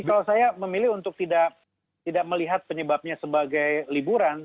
kalau saya memilih untuk tidak melihat penyebabnya sebagai liburan